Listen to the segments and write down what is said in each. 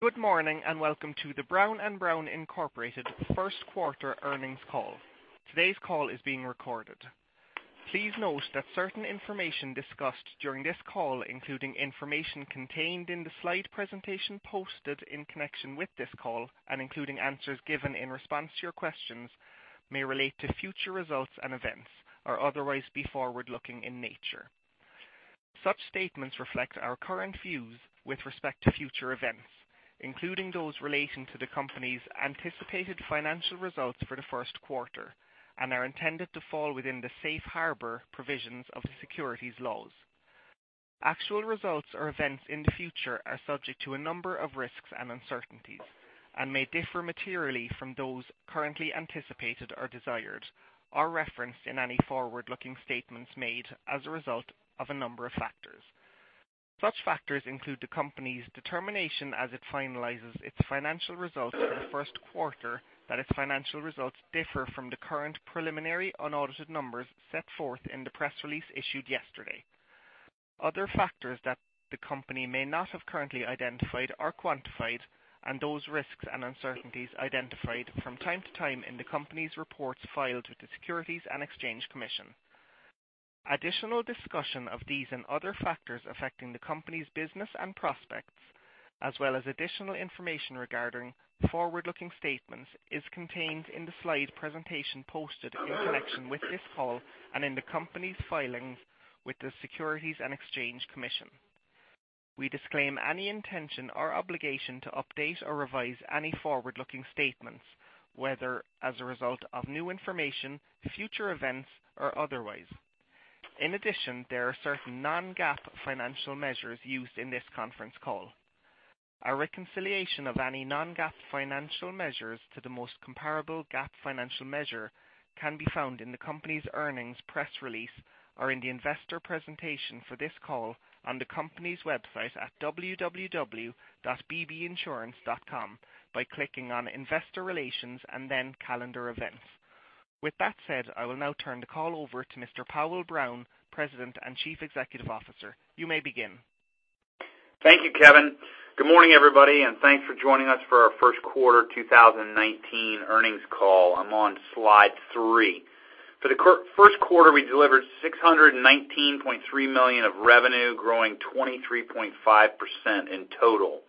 Good morning, and welcome to the Brown & Brown Incorporated first quarter earnings call. Today's call is being recorded. Please note that certain information discussed during this call, including information contained in the slide presentation posted in connection with this call and including answers given in response to your questions, may relate to future results and events or otherwise be forward-looking in nature. Such statements reflect our current views with respect to future events, including those relating to the company's anticipated financial results for the first quarter, and are intended to fall within the Safe Harbor provisions of the securities laws. Actual results or events in the future are subject to a number of risks and uncertainties and may differ materially from those currently anticipated or desired, or referenced in any forward-looking statements made as a result of a number of factors. Such factors include the company's determination as it finalizes its financial results for the first quarter that its financial results differ from the current preliminary unaudited numbers set forth in the press release issued yesterday. Other factors that the company may not have currently identified or quantified, and those risks and uncertainties identified from time to time in the company's reports filed with the Securities and Exchange Commission. Additional discussion of these and other factors affecting the company's business and prospects, as well as additional information regarding forward-looking statements, is contained in the slide presentation posted in connection with this call and in the company's filings with the Securities and Exchange Commission. We disclaim any intention or obligation to update or revise any forward-looking statements, whether as a result of new information, future events, or otherwise. In addition, there are certain non-GAAP financial measures used in this conference call. A reconciliation of any non-GAAP financial measures to the most comparable GAAP financial measure can be found in the company's earnings press release or in the investor presentation for this call on the company's website at www.bbrown.com by clicking on Investor Relations and then Calendar Events. With that said, I will now turn the call over to Mr. Powell Brown, President and Chief Executive Officer. You may begin. Thank you, Kevin. Good morning, everybody, and thanks for joining us for our first quarter 2019 earnings call. I'm on slide three. For the first quarter, we delivered $619.3 million of revenue, growing 23.5% in total.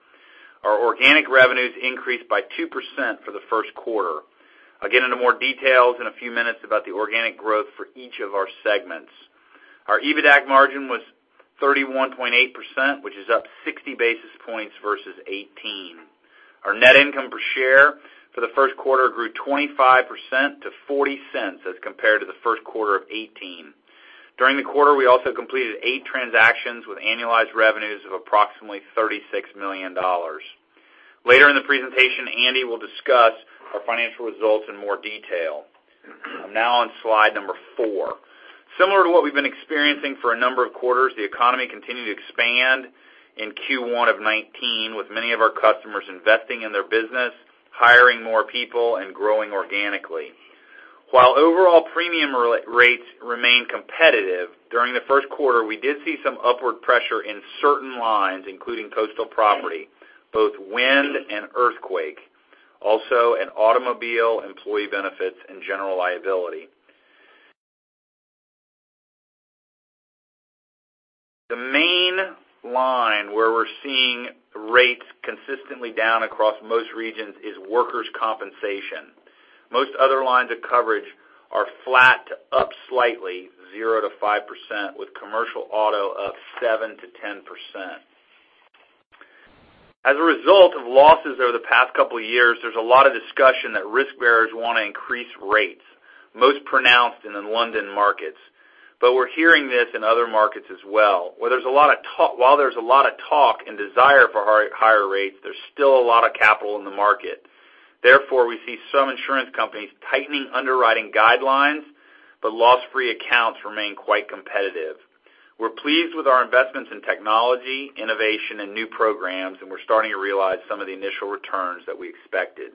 Our organic revenues increased by 2% for the first quarter. I'll get into more details in a few minutes about the organic growth for each of our segments. Our EBITDAC margin was 31.8%, which is up 60 basis points versus 2018. Our net income per share for the first quarter grew 25% to $0.40 as compared to the first quarter of 2018. During the quarter, we also completed eight transactions with annualized revenues of approximately $36 million. Later in the presentation, Andy will discuss our financial results in more detail. I'm now on slide number four. Similar to what we've been experiencing for a number of quarters, the economy continued to expand in Q1 of 2019, with many of our customers investing in their business, hiring more people, and growing organically. While overall premium rates remain competitive, during the first quarter, we did see some upward pressure in certain lines, including coastal property, both wind and earthquake, also in automobile employee benefits and general liability. The main line where we're seeing rates consistently down across most regions is workers' compensation. Most other lines of coverage are flat to up slightly, 0%-5%, with commercial auto up 7%-10%. As a result of losses over the past couple of years, there's a lot of discussion that risk bearers want to increase rates, most pronounced in the London markets. We're hearing this in other markets as well. While there's a lot of talk and desire for higher rates, there's still a lot of capital in the market. Therefore, we see some insurance companies tightening underwriting guidelines, but loss-free accounts remain quite competitive. We're pleased with our investments in technology, innovation, and new programs, and we're starting to realize some of the initial returns that we expected.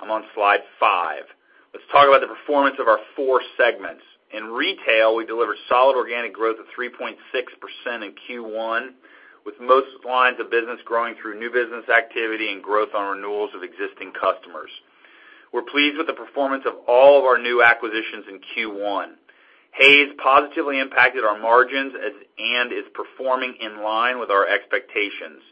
I'm on slide five. Let's talk about the performance of our four segments. In retail, we delivered solid organic growth of 3.6% in Q1, with most lines of business growing through new business activity and growth on renewals of existing customers. We're pleased with the performance of all of our new acquisitions in Q1. Hays positively impacted our margins and is performing in line with our expectations.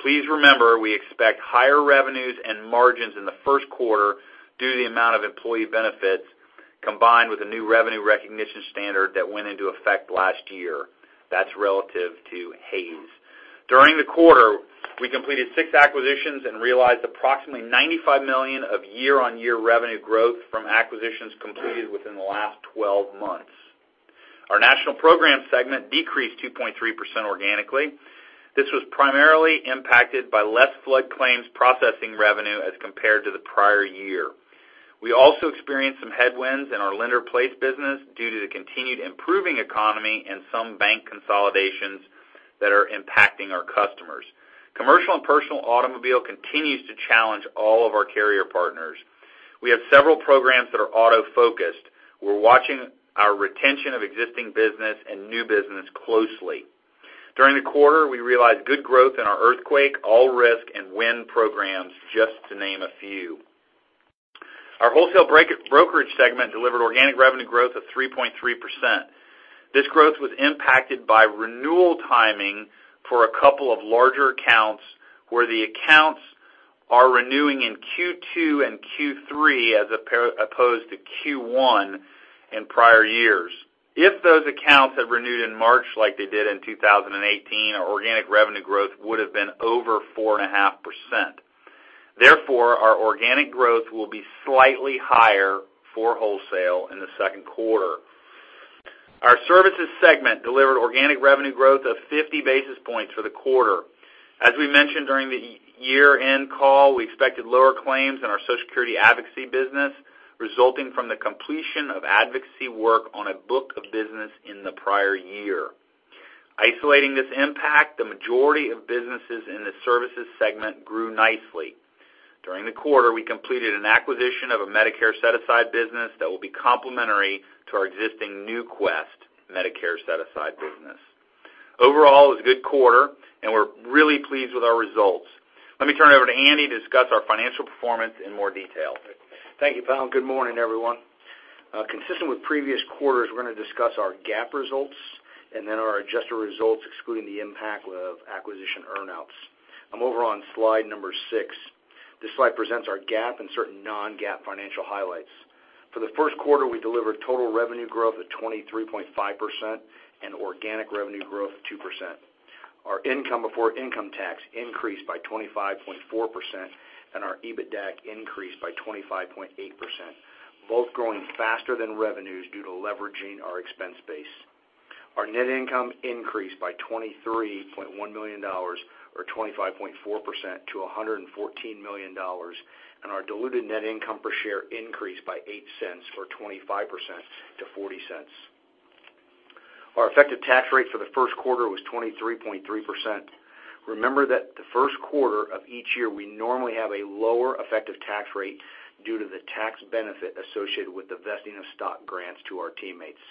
Please remember, we expect higher revenues and margins in the first quarter due to the amount of employee benefits, combined with a new revenue recognition standard that went into effect last year. That's relative to Hays. During the quarter, we completed six acquisitions and realized approximately $95 million of year-on-year revenue growth from acquisitions completed within the last 12 months. Our national program segment decreased 2.3% organically. This was primarily impacted by less flood claims processing revenue as compared to the prior year. We also experienced some headwinds in our lender-placed business due to the continued improving economy and some bank consolidations that are impacting our customers. Commercial and personal automobile continues to challenge all of our carrier partners. We have several programs that are auto-focused. We're watching our retention of existing business and new business closely. During the quarter, we realized good growth in our earthquake, all-risk, and wind programs, just to name a few. Our wholesale brokerage segment delivered organic revenue growth of 3.3%. This growth was impacted by renewal timing for a couple of larger accounts, where the accounts are renewing in Q2 and Q3, as opposed to Q1 in prior years. If those accounts had renewed in March like they did in 2018, our organic revenue growth would've been over 4.5%. Our organic growth will be slightly higher for wholesale in the second quarter. Our services segment delivered organic revenue growth of 50 basis points for the quarter. As we mentioned during the year-end call, we expected lower claims in our Social Security advocacy business, resulting from the completion of advocacy work on a book of business in the prior year. Isolating this impact, the majority of businesses in the services segment grew nicely. During the quarter, we completed an acquisition of a Medicare Set-Aside business that will be complementary to our existing NuQuest Medicare Set-Aside business. Overall, it was a good quarter, and we're really pleased with our results. Let me turn it over to Andy to discuss our financial performance in more detail. Thank you, Powell. Good morning, everyone. Consistent with previous quarters, we're going to discuss our GAAP results and then our adjusted results, excluding the impact of acquisition earn-outs. I'm over on slide number six. This slide presents our GAAP and certain non-GAAP financial highlights. For the first quarter, we delivered total revenue growth of 23.5% and organic revenue growth of 2%. Our income before income tax increased by 25.4%, and our EBITDAC increased by 25.8%, both growing faster than revenues due to leveraging our expense base. Our net income increased by $23.1 million, or 25.4%, to $114 million, and our diluted net income per share increased by $0.08, or 25%, to $0.40. Our effective tax rate for the first quarter was 23.3%. Remember that the first quarter of each year, we normally have a lower effective tax rate due to the tax benefit associated with the vesting of stock grants to our teammates.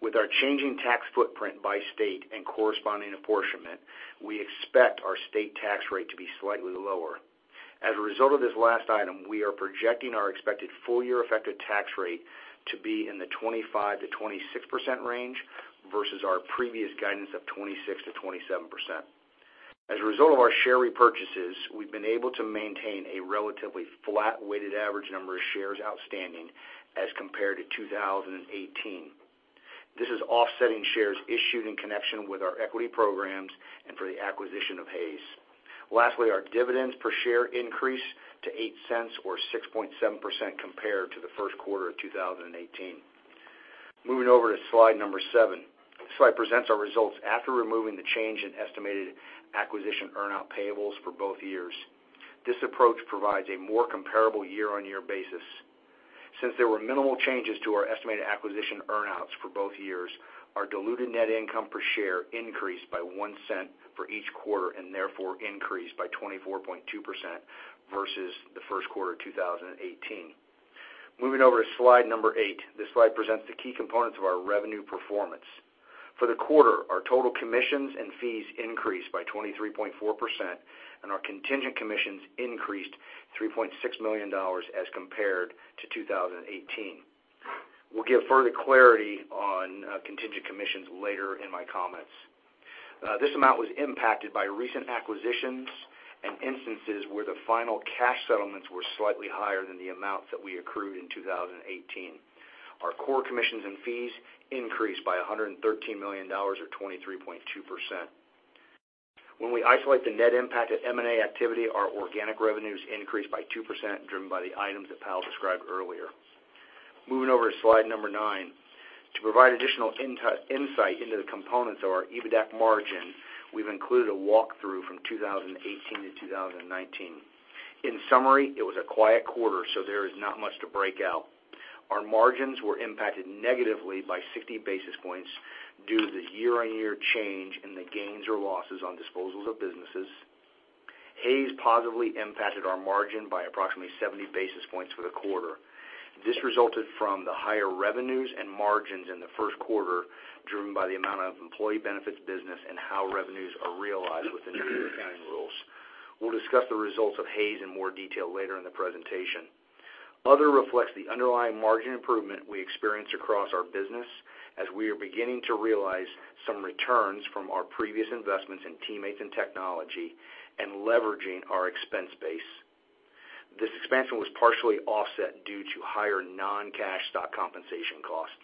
With our changing tax footprint by state and corresponding apportionment, we expect our state tax rate to be slightly lower. As a result of this last item, we are projecting our expected full-year effective tax rate to be in the 25%-26% range, versus our previous guidance of 26%-27%. As a result of our share repurchases, we've been able to maintain a relatively flat weighted average number of shares outstanding as compared to 2018. This is offsetting shares issued in connection with our equity programs and for the acquisition of Hays. Lastly, our dividends per share increased to $0.08, or 6.7%, compared to the first quarter of 2018. Moving over to slide number seven. This slide presents our results after removing the change in estimated acquisition earn-out payables for both years. This approach provides a more comparable year-on-year basis. Since there were minimal changes to our estimated acquisition earn-outs for both years, our diluted net income per share increased by $0.01 for each quarter, and therefore, increased by 24.2% versus the first quarter of 2018. Moving over to slide number eight. This slide presents the key components of our revenue performance. For the quarter, our total commissions and fees increased by 23.4%, and our contingent commissions increased $3.6 million as compared to 2018. We'll give further clarity on contingent commissions later in my comments. This amount was impacted by recent acquisitions and instances where the final cash settlements were slightly higher than the amounts that we accrued in 2018. Our core commissions and fees increased by $113 million, or 23.2%. When we isolate the net impact of M&A activity, our organic revenues increased by 2%, driven by the items that Powell described earlier. Moving over to slide number nine. To provide additional insight into the components of our EBITDAC margin, we have included a walkthrough from 2018 to 2019. In summary, it was a quiet quarter, so there is not much to break out. Our margins were impacted negatively by 60 basis points due to the year-on-year change in the gains or losses on disposals of businesses. Hays positively impacted our margin by approximately 70 basis points for the quarter. This resulted from the higher revenues and margins in the first quarter, driven by the amount of employee benefits business and how revenues are realized with the new accounting rules. We will discuss the results of Hays in more detail later in the presentation. Other reflects the underlying margin improvement we experienced across our business, as we are beginning to realize some returns from our previous investments in teammates and technology and leveraging our expense base. This expansion was partially offset due to higher non-cash stock compensation cost.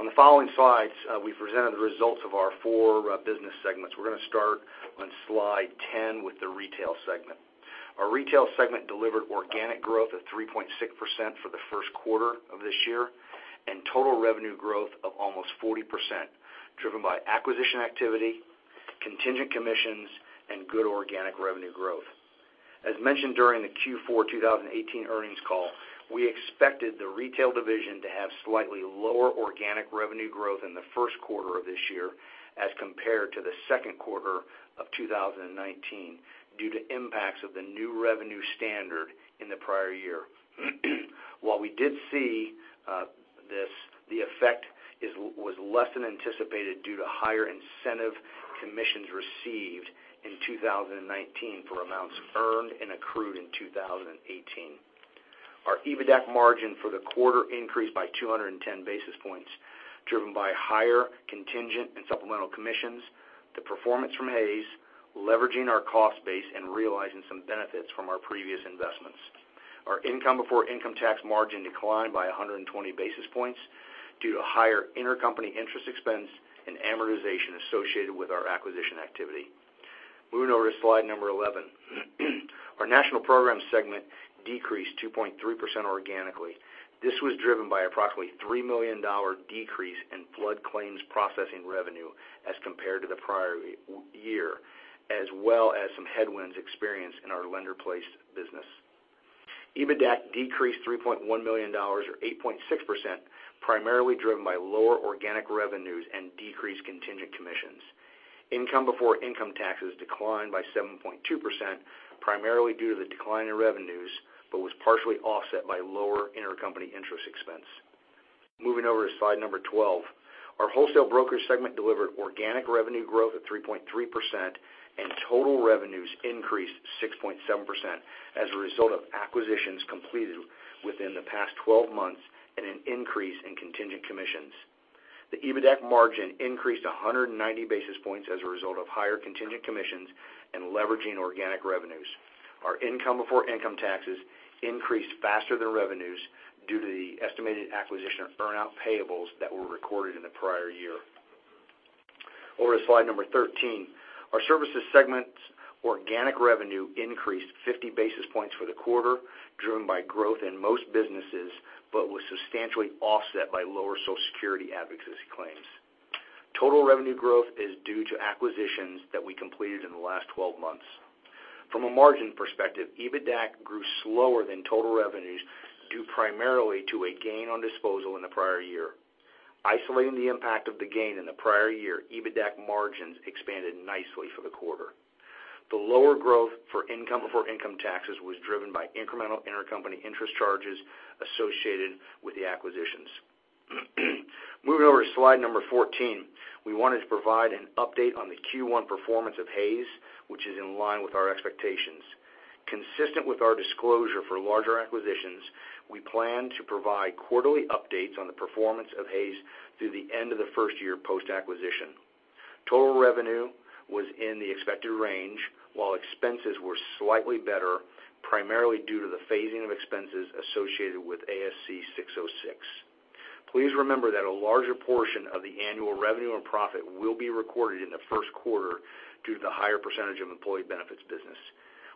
On the following slides, we have presented the results of our four business segments. We are going to start on slide 10 with the Retail Segment. Our Retail Segment delivered organic growth of 3.6% for the first quarter of this year and total revenue growth of almost 40%, driven by acquisition activity, contingent commissions, and good organic revenue growth. As mentioned during the Q4 2018 earnings call, we expected the Retail Division to have slightly lower organic revenue growth in the first quarter of this year as compared to the second quarter of 2019 due to impacts of the new revenue standard in the prior year. While we did see the effect was less than anticipated due to higher incentive commissions received in 2019 for amounts earned and accrued in 2018. Our EBITDAC margin for the quarter increased by 210 basis points, driven by higher contingent and supplemental commissions, the performance from Hays, leveraging our cost base, and realizing some benefits from our previous investments. Our income before income tax margin declined by 120 basis points due to higher intercompany interest expense and amortization associated with our acquisition activity. Moving over to slide 11. Our National Program Segment decreased 2.3% organically. This was driven by approximately a $3 million decrease in flood claims processing revenue as compared to the prior year, as well as some headwinds experienced in our lender-placed business. EBITDAC decreased $3.1 million, or 8.6%, primarily driven by lower organic revenues and decreased contingent commissions. Income before income taxes declined by 7.2%, primarily due to the decline in revenues, but was partially offset by lower intercompany interest expense. Moving over to slide 12. Our Wholesale Broker Segment delivered organic revenue growth of 3.3%, and total revenues increased 6.7% as a result of acquisitions completed within the past 12 months and an increase in contingent commissions. The EBITDAC margin increased 190 basis points as a result of higher contingent commissions and leveraging organic revenues. Our income before income taxes increased faster than revenues due to the estimated acquisition earn-out payables that were recorded in the prior year. Over to slide 13. Our Services Segment's organic revenue increased 50 basis points for the quarter, driven by growth in most businesses, but was substantially offset by lower Social Security advocacy claims. Total revenue growth is due to acquisitions that we completed in the last 12 months. From a margin perspective, EBITDAC grew slower than total revenues due primarily to a gain on disposal in the prior year. Isolating the impact of the gain in the prior year, EBITDAC margins expanded nicely for the quarter. The lower growth for income before income taxes was driven by incremental intercompany interest charges associated with the acquisitions. Moving over to slide number 14. We wanted to provide an update on the Q1 performance of Hays, which is in line with our expectations. Consistent with our disclosure for larger acquisitions, we plan to provide quarterly updates on the performance of Hays through the end of the first year post-acquisition. Total revenue was in the expected range, while expenses were slightly better, primarily due to the phasing of expenses associated with ASC 606. Please remember that a larger portion of the annual revenue and profit will be recorded in the first quarter due to the higher percentage of employee benefits business.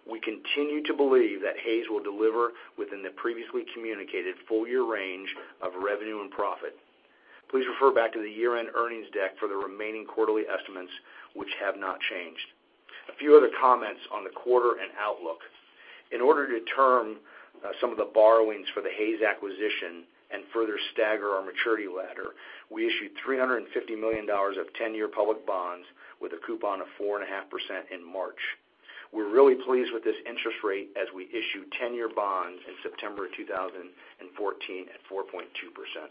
We continue to believe that Hays will deliver within the previously communicated full-year range of revenue and profit. Please refer back to the year-end earnings deck for the remaining quarterly estimates, which have not changed. A few other comments on the quarter and outlook. In order to term some of the borrowings for the Hays acquisition and further stagger our maturity ladder, we issued $350 million of 10-year public bonds with a coupon of 4.5% in March. We're really pleased with this interest rate as we issued 10-year bonds in September 2014 at 4.2%.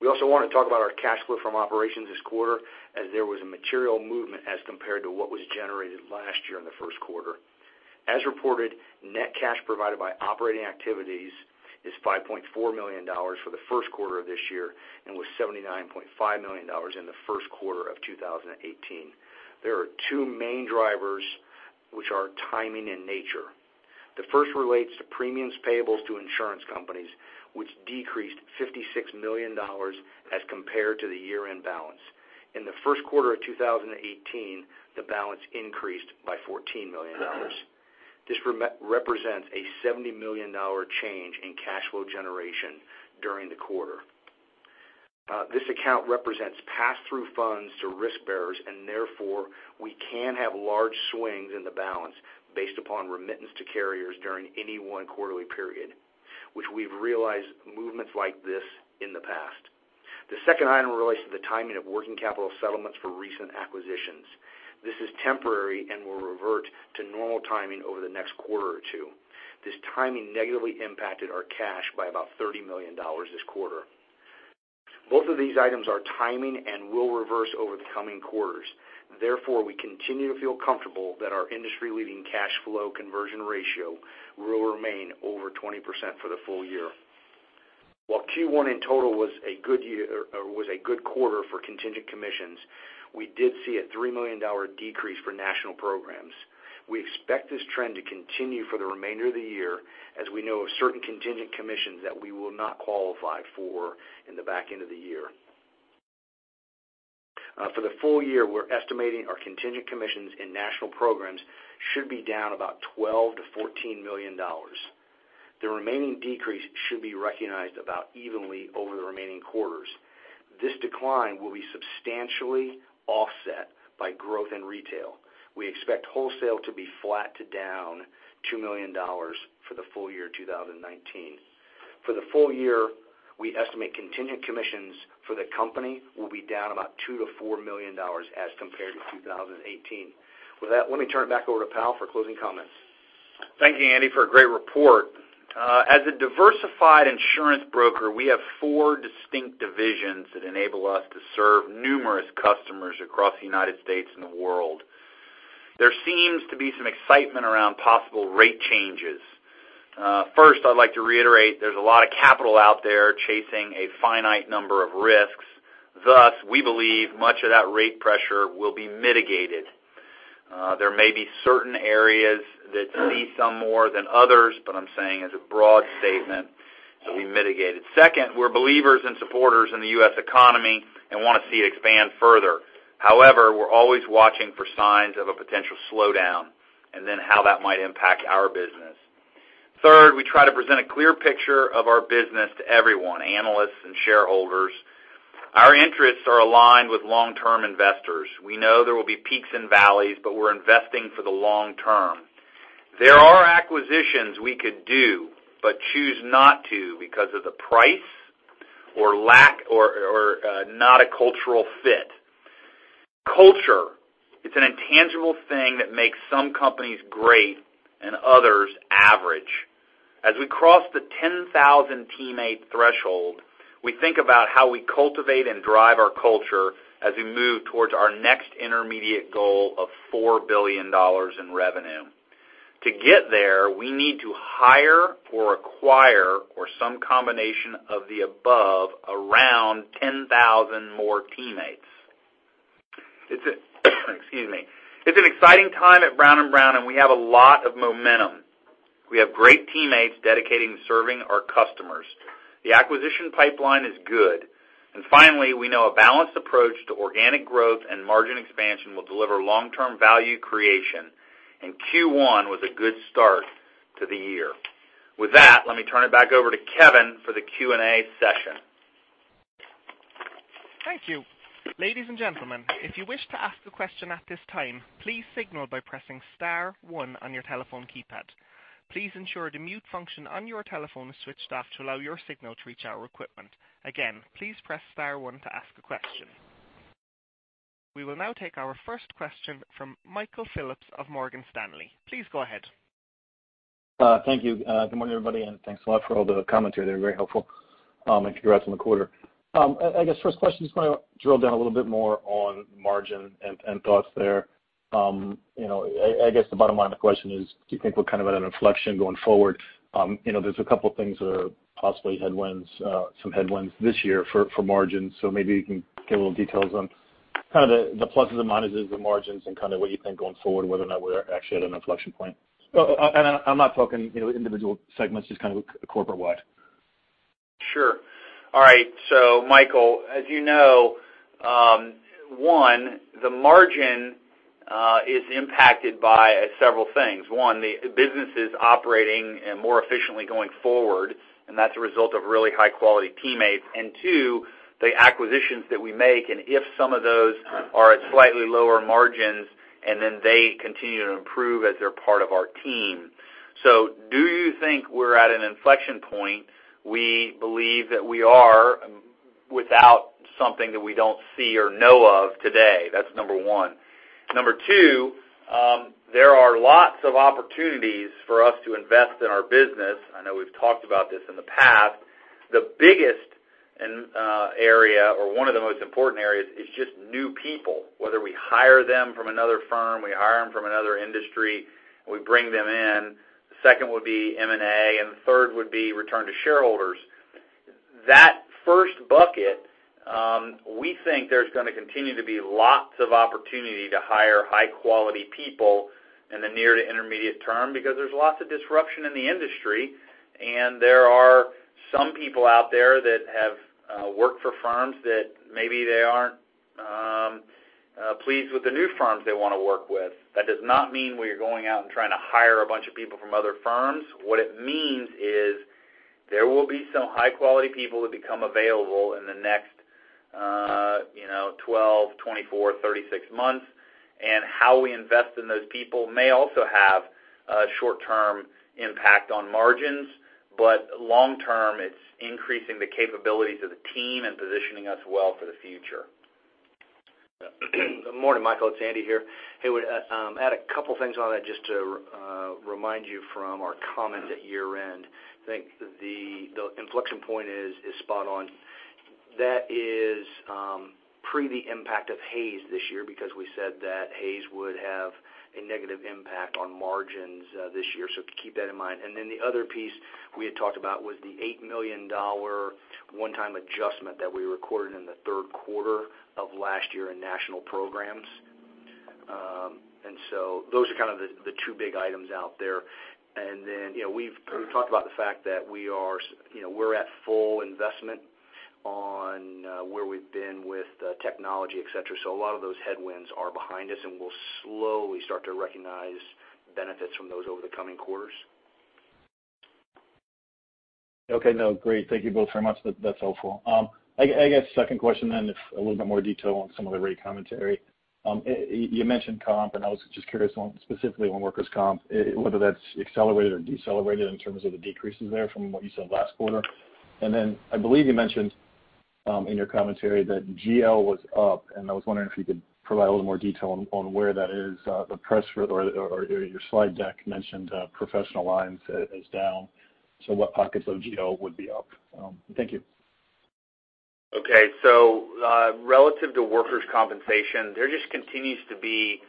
We also want to talk about our cash flow from operations this quarter, as there was a material movement as compared to what was generated last year in the first quarter. As reported, net cash provided by operating activities is $5.4 million for the first quarter of this year and was $79.5 million in the first quarter of 2018. There are two main drivers, which are timing and nature. The first relates to premiums payable to insurance companies, which decreased $56 million as compared to the year-end balance. In the first quarter of 2018, the balance increased by $14 million. This represents a $70 million change in cash flow generation during the quarter. This account represents pass-through funds to risk-bearers, and therefore, we can have large swings in the balance based upon remittance to carriers during any one quarterly period, which we've realized movements like this in the past. The second item relates to the timing of working capital settlements for recent acquisitions. This is temporary and will revert to normal timing over the next quarter or two. This timing negatively impacted our cash by about $30 million this quarter. Both of these items are timing and will reverse over the coming quarters. Therefore, we continue to feel comfortable that our industry-leading cash flow conversion ratio will remain over 20% for the full year. While Q1 in total was a good quarter for contingent commissions, we did see a $3 million decrease for national programs. We expect this trend to continue for the remainder of the year, as we know of certain contingent commissions that we will not qualify for in the back end of the year. For the full year, we're estimating our contingent commissions in national programs should be down about $12 million-$14 million. The remaining decrease should be recognized about evenly over the remaining quarters. This decline will be substantially offset by growth in retail. We expect wholesale to be flat to down $2 million for the full year 2019. For the full year, we estimate contingent commissions for the company will be down about $2 million to $4 million as compared to 2018. With that, let me turn it back over to Powell for closing comments. Thank you, Andy, for a great report. As a diversified insurance broker, we have four distinct divisions that enable us to serve numerous customers across the U.S. and the world. There seems to be some excitement around possible rate changes. First, I'd like to reiterate, there's a lot of capital out there chasing a finite number of risks, thus, we believe much of that rate pressure will be mitigated. There may be certain areas that see some more than others, but I'm saying as a broad statement, it'll be mitigated. Second, we're believers and supporters in the U.S. economy and want to see it expand further. However, we're always watching for signs of a potential slowdown, and then how that might impact our business. Third, we try to present a clear picture of our business to everyone, analysts and shareholders. Our interests are aligned with long-term investors. We know there will be peaks and valleys, but we're investing for the long term. There are acquisitions we could do but choose not to because of the price or not a cultural fit. Culture. It's an intangible thing that makes some companies great and others average. As we cross the 10,000 teammate threshold, we think about how we cultivate and drive our culture as we move towards our next intermediate goal of $4 billion in revenue. To get there, we need to hire or acquire or some combination of the above around 10,000 more teammates. It's an exciting time at Brown & Brown, and we have a lot of momentum. We have great teammates dedicating to serving our customers. The acquisition pipeline is good. Finally, we know a balanced approach to organic growth and margin expansion will deliver long-term value creation, and Q1 was a good start to the year. With that, let me turn it back over to Kevin for the Q&A session. Thank you. Ladies and gentlemen, if you wish to ask a question at this time, please signal by pressing star one on your telephone keypad. Please ensure the mute function on your telephone is switched off to allow your signal to reach our equipment. Again, please press star one to ask a question. We will now take our first question from Michael Phillips of Morgan Stanley. Please go ahead. Thank you. Good morning, everybody, and thanks a lot for all the commentary. They're very helpful. Congrats on the quarter. I guess first question, just want to drill down a little bit more on margin and thoughts there. I guess the bottom line of the question is, do you think we're at an inflection going forward? There's a couple things that are possibly some headwinds this year for margins. Maybe you can give a little details on kind of the pluses and minuses of margins and kind of what you think going forward, whether or not we're actually at an inflection point. I'm not talking individual segments, just kind of corporate wide. Sure. All right. Michael, as you know, one, the margin is impacted by several things. One, the businesses operating and more efficiently going forward, and that's a result of really high-quality teammates. Two, the acquisitions that we make, and if some of those are at slightly lower margins, and then they continue to improve as they're part of our team. Do you think we're at an inflection point? We believe that we are without something that we don't see or know of today. That's number 1. Number 2, there are lots of opportunities for us to invest in our business. I know we've talked about this in the past. The biggest area or one of the most important areas is just new people, whether we hire them from another firm, we hire them from another industry, we bring them in. The second would be M&A. The third would be return to shareholders. That first bucket, we think there's going to continue to be lots of opportunity to hire high-quality people in the near to intermediate term because there's lots of disruption in the industry, there are some people out there that have worked for firms that maybe they aren't pleased with the new firms they want to work with. That does not mean we are going out and trying to hire a bunch of people from other firms. What it means is there will be some high-quality people that become available in the next 12, 24, 36 months, how we invest in those people may also have a short-term impact on margins. Long term, it's increasing the capabilities of the team and positioning us well for the future. Good morning, Michael. It's Andy here. Hey, I had a couple things on that just to remind you from our comments at year-end. I think the inflection point is spot on. That is pre the impact of Hays this year because we said that Hays would have a negative impact on margins this year. Keep that in mind. The other piece we had talked about was the $8 million one-time adjustment that we recorded in the third quarter of last year in national programs. Those are kind of the two big items out there. We've talked about the fact that we're at full investment on where we've been with technology, et cetera. A lot of those headwinds are behind us, and we'll slowly start to recognize benefits from those over the coming quarters. Okay. No, great. Thank you both very much. That's helpful. I guess second question then, if a little bit more detail on some of the rate commentary. You mentioned comp, and I was just curious on specifically on workers' comp, whether that's accelerated or decelerated in terms of the decreases there from what you said last quarter. I believe you mentioned in your commentary that GL was up, and I was wondering if you could provide a little more detail on where that is. The press or your slide deck mentioned professional lines is down. What pockets of GL would be up? Thank you. Okay. Relative to workers' compensation, there just continues to be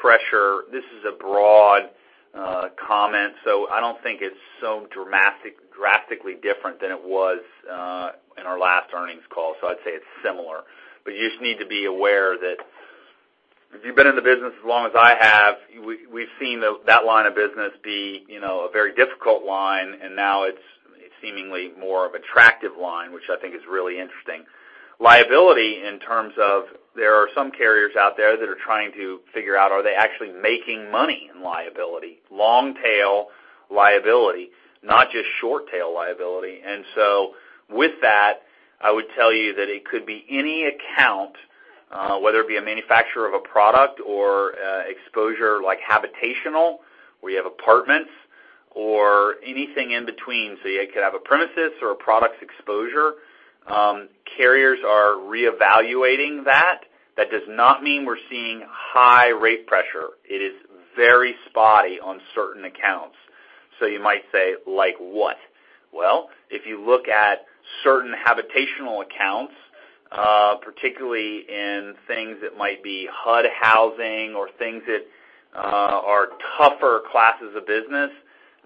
pressure. This is a broad comment, so I don't think it's so drastically different than it was in our last earnings call. I'd say it's similar. You just need to be aware that if you've been in the business as long as I have, we've seen that line of business be a very difficult line, and now it's seemingly more of attractive line, which I think is really interesting. Liability in terms of there are some carriers out there that are trying to figure out are they actually making money in liability, long-tail liability, not just short-tail liability. With that, I would tell you that it could be any account, whether it be a manufacturer of a product or exposure like habitational, where you have apartments or anything in between. You could have a premises or a product's exposure. Carriers are reevaluating that. That does not mean we're seeing high rate pressure. It is very spotty on certain accounts. You might say, like what? Well, if you look at certain habitational accounts, particularly in things that might be HUD housing or things that are tougher classes of business,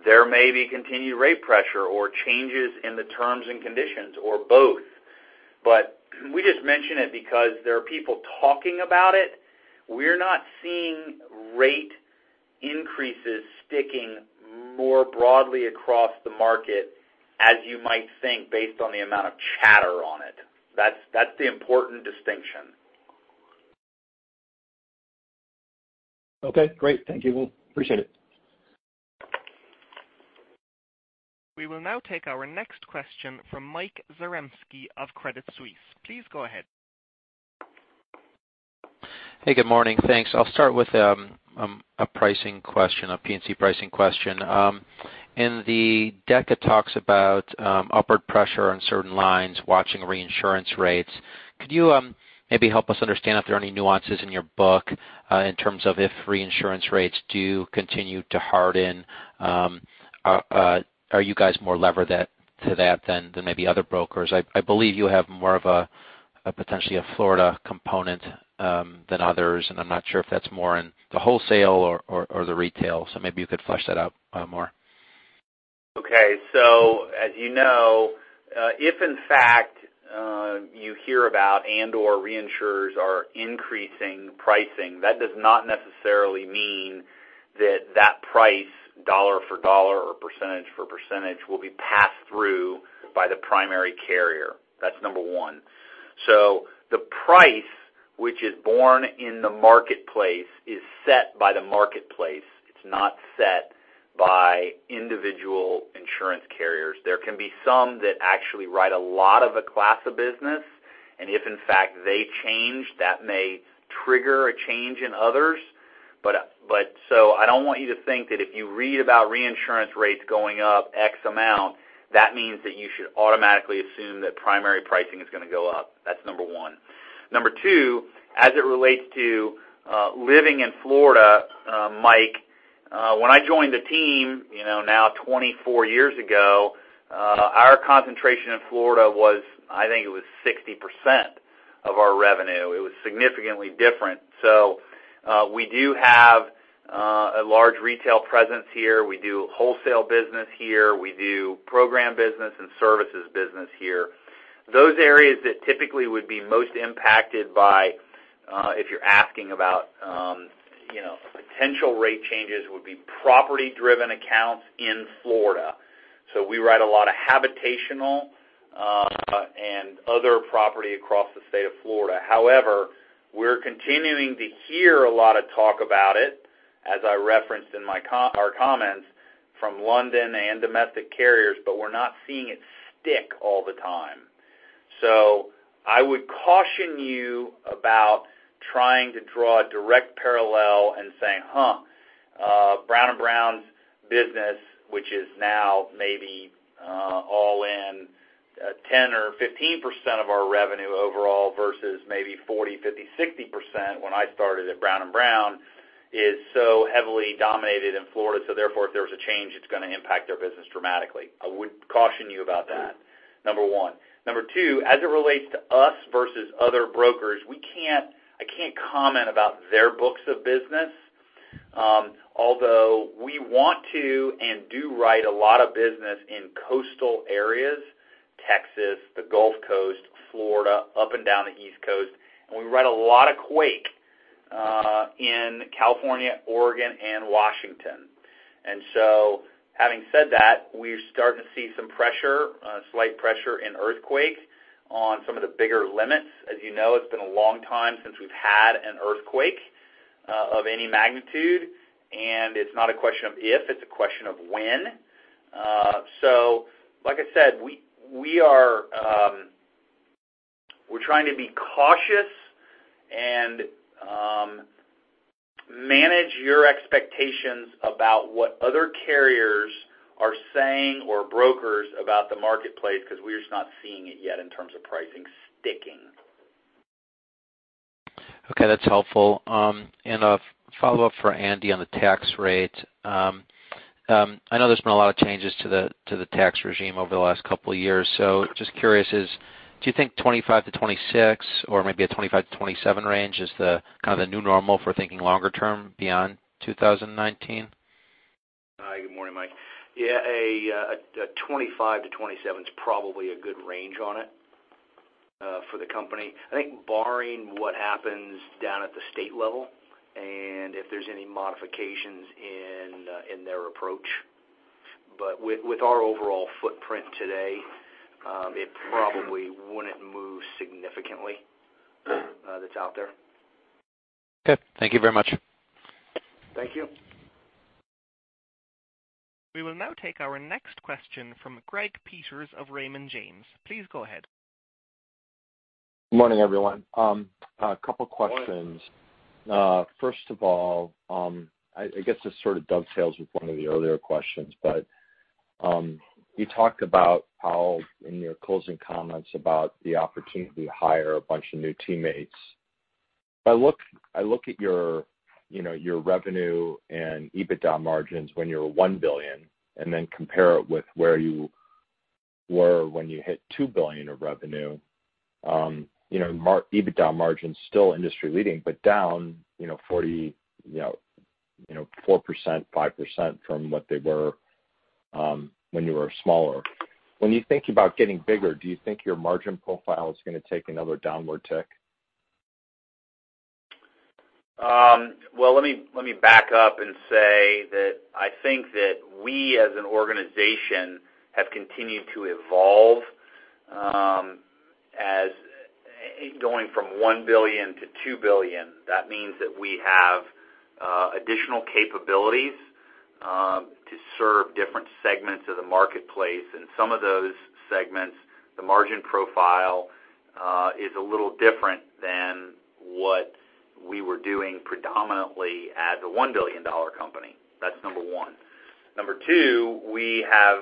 there may be continued rate pressure or changes in the terms and conditions or both. We just mention it because there are people talking about it. We're not seeing rate increases sticking more broadly across the market, as you might think based on the amount of chatter on it. That's the important distinction. Okay, great. Thank you. Well, appreciate it. We will now take our next question from Michael Zaremski of Credit Suisse. Please go ahead. Hey, good morning. Thanks. I'll start with a pricing question, a P&C pricing question. In the deck, it talks about upward pressure on certain lines, watching reinsurance rates. Could you maybe help us understand if there are any nuances in your book in terms of if reinsurance rates do continue to harden? Are you guys more levered to that than maybe other brokers? I believe you have more of a potentially a Florida component than others, and I'm not sure if that's more in the wholesale or the retail, so maybe you could flesh that out more. Okay. As you know, if in fact you hear about and/or reinsurers are increasing pricing, that does not necessarily mean that that price dollar for dollar or percentage for percentage will be passed through by the primary carrier. That's number 1. The price which is borne in the marketplace is set by the marketplace. It's not set by individual insurance carriers. There can be some that actually write a lot of a class of business, and if in fact they change, that may trigger a change in others. I don't want you to think that if you read about reinsurance rates going up X amount, that means that you should automatically assume that primary pricing is going to go up. That's number 1. Number two, as it relates to living in Florida, Mike, when I joined the team now 24 years ago, our concentration in Florida was, I think it was 60% of our revenue. It was significantly different. We do have a large retail presence here. We do wholesale business here. We do program business and services business here. Those areas that typically would be most impacted by, if you're asking about potential rate changes, would be property-driven accounts in Florida. We write a lot of habitational and other property across the state of Florida. However, we're continuing to hear a lot of talk about it, as I referenced in our comments, from London and domestic carriers, we're not seeing it stick all the time. I would caution you about trying to draw a direct parallel and saying, huh Brown & Brown's business, which is now maybe all in 10% or 15% of our revenue overall versus maybe 40%, 50%, 60% when I started at Brown & Brown, is so heavily dominated in Florida, so therefore, if there was a change, it's going to impact their business dramatically. I would caution you about that, number one. Number two, as it relates to us versus other brokers, I can't comment about their books of business. Although we want to and do write a lot of business in coastal areas, Texas, the Gulf Coast, Florida, up and down the East Coast, and we write a lot of quake in California, Oregon, and Washington. Having said that, we're starting to see some pressure, slight pressure in earthquake on some of the bigger limits. As you know, it's been a long time since we've had an earthquake of any magnitude, and it's not a question of if, it's a question of when. Like I said, we're trying to be cautious and manage your expectations about what other carriers are saying, or brokers, about the marketplace, because we're just not seeing it yet in terms of pricing sticking. Okay, that's helpful. A follow-up for Andy on the tax rate. I know there's been a lot of changes to the tax regime over the last couple of years, so just curious, do you think 25% to 26% or maybe a 25% to 27% range is the kind of the new normal for thinking longer term beyond 2019? Hi, good morning, Mike. Yeah, a 2025-2027 is probably a good range on it for the company. I think barring what happens down at the state level and if there's any modifications in their approach. With our overall footprint today, it probably wouldn't move significantly that's out there. Okay, thank you very much. Thank you. We will now take our next question from Greg Peters of Raymond James. Please go ahead. Good morning, everyone. A couple questions. First of all, I guess this sort of dovetails with one of the earlier questions. You talked about how in your closing comments about the opportunity to hire a bunch of new teammates. I look at your revenue and EBITDA margins when you were $1 billion and then compare it with where you were when you hit $2 billion of revenue. Your EBITDA margin is still industry leading, but down 4%, 5% from what they were when you were smaller. When you think about getting bigger, do you think your margin profile is going to take another downward tick? Well, let me back up and say that I think that we as an organization have continued to evolve as going from $1 billion to $2 billion. That means that we have additional capabilities to serve different segments of the marketplace. Some of those segments, the margin profile is a little different than what we were doing predominantly as a $1 billion company. That's number 1. Number 2, we have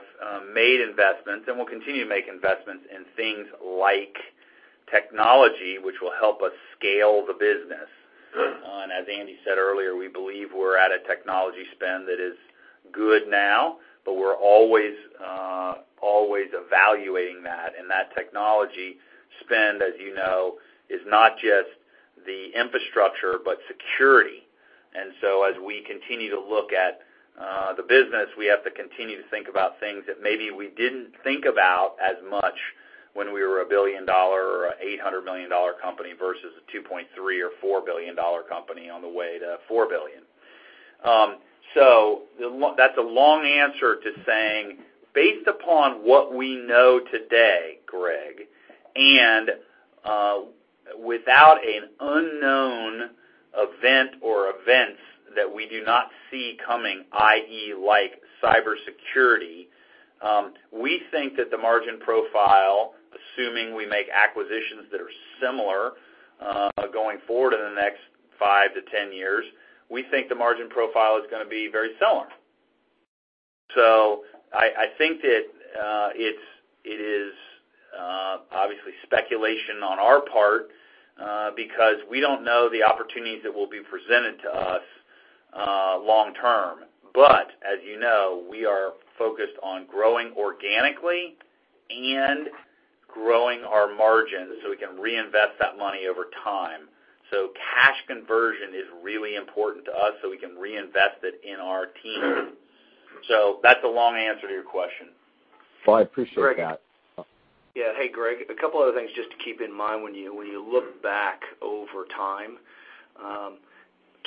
made investments and will continue to make investments in things like technology, which will help us scale the business. As Andy said earlier, we believe we're at a technology spend that is good now, but we're always evaluating that. That technology spend, as you know, is not just the infrastructure, but security. As we continue to look at the business, we have to continue to think about things that maybe we didn't think about as much when we were a $1 billion or an $800 million company versus a $2.3 billion or $4 billion company on the way to $4 billion. That's a long answer to saying based upon what we know today, Greg, without an unknown event or events that we do not see coming, i.e., like cybersecurity, we think that the margin profile, assuming we make acquisitions that are similar going forward in the next 5 to 10 years, we think the margin profile is going to be very similar. I think that it is obviously speculation on our part, because we don't know the opportunities that will be presented to us long term. As you know, we are focused on growing organically and growing our margins so we can reinvest that money over time. Cash conversion is really important to us so we can reinvest it in our team. That's a long answer to your question. Well, I appreciate that. Yeah. Hey, Greg, a couple other things just to keep in mind when you look back over time.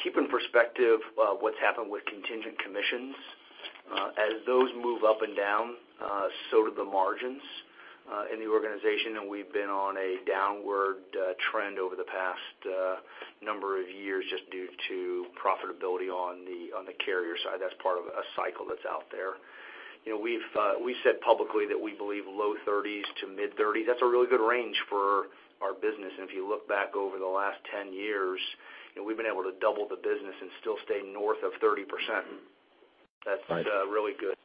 Keep in perspective what's happened with contingent commissions. As those move up and down, so do the margins in the organization, we've been on a downward trend over the past number of years just due to profitability on the carrier side. That's part of a cycle that's out there. We've said publicly that we believe low 30s to mid-30s, that's a really good range for our business. If you look back over the last 10 years, we've been able to double the business and still stay north of 30%. That's really good.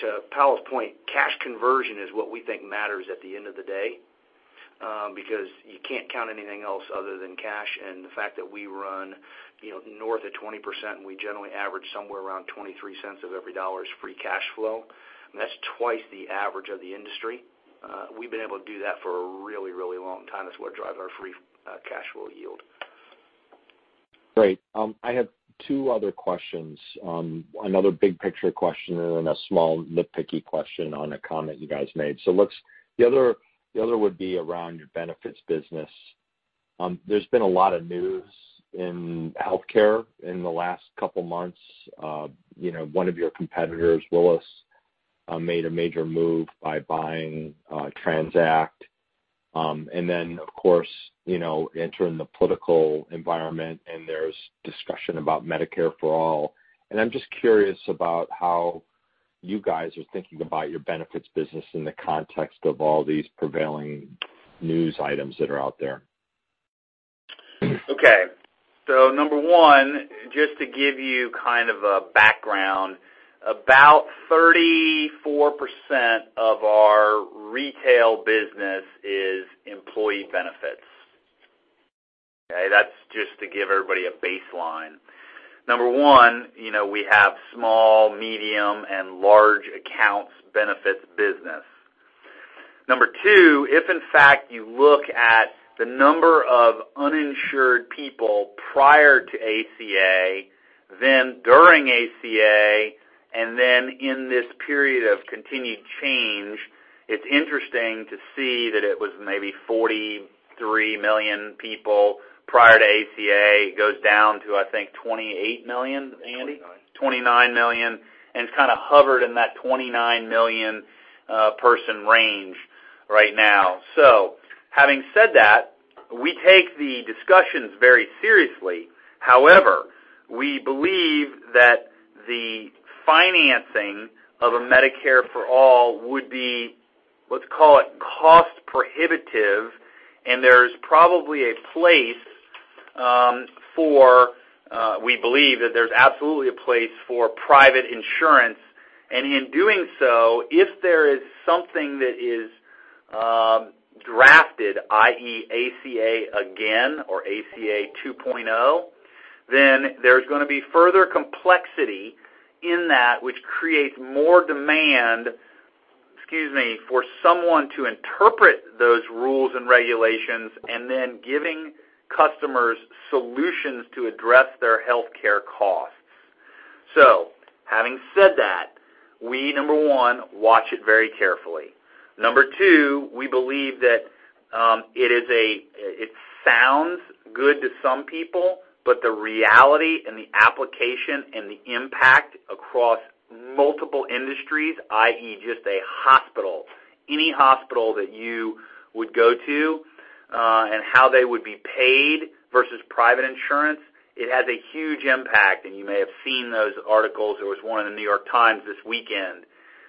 To Powell's point, cash conversion is what we think matters at the end of the day, because you can't count anything else other than cash. The fact that we run north of 20%, we generally average somewhere around $0.23 of every dollar is free cash flow. That's twice the average of the industry. We've been able to do that for a really long time. That's what drives our free cash flow yield. Great. I have two other questions. Another big picture question and a small nitpicky question on a comment you guys made. The other would be around your benefits business. There's been a lot of news in healthcare in the last couple months. One of your competitors, Willis, made a major move by buying TRANZACT. Then, of course, entering the political environment, there's discussion about Medicare for All. I'm just curious about how you guys are thinking about your benefits business in the context of all these prevailing news items that are out there. Okay. Number 1, just to give you kind of a background, about 34% of our retail business is employee benefits. Okay? That's just to give everybody a baseline. Number 1, we have small, medium, and large accounts benefits business. Number 2, if in fact you look at the number of uninsured people prior to ACA, then during ACA, and then in this period of continued change, it's interesting to see that it was maybe 43 million people prior to ACA. It goes down to, I think, 28 million, Andy? 29. 29 million, and it's kind of hovered in that 29 million person range right now. Having said that, we take the discussions very seriously. However, we believe that the financing of a Medicare for All would be, let's call it cost prohibitive, and there's probably a place for, we believe that there's absolutely a place for private insurance. And in doing so, if there is something that is drafted, i.e., ACA again, or ACA 2.0, then there's going to be further complexity in that which creates more demand, excuse me, for someone to interpret those rules and regulations, and then giving customers solutions to address their healthcare costs. Having said that, we, number 1, watch it very carefully. Number 2, we believe that it sounds good to some people, but the reality and the application and the impact across multiple industries, i.e., just a hospital, any hospital that you would go to, and how they would be paid versus private insurance, it has a huge impact. You may have seen those articles. There was one in "The New York Times" this weekend.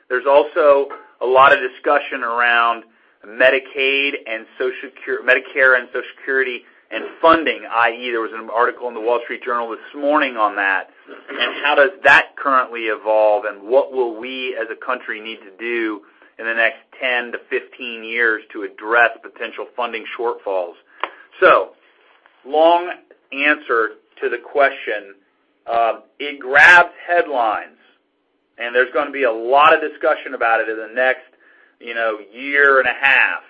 There's also a lot of discussion around Medicaid and Social Security, Medicare and Social Security and funding, i.e., there was an article in "The Wall Street Journal" this morning on that. How does that currently evolve and what will we as a country need to do in the next 10 to 15 years to address potential funding shortfalls? Long answer to the question, it grabs headlines, there's going to be a lot of discussion about it in the next year and a half,